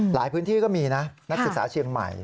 หลายพื้นที่ก็มีนะนักศึกษาเชียงใหม่